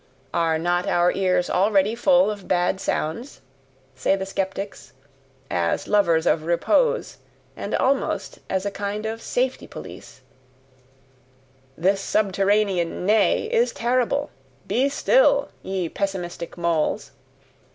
"Are not our ears already full of bad sounds?" say the skeptics, as lovers of repose, and almost as a kind of safety police; "this subterranean Nay is terrible! Be still, ye pessimistic moles!"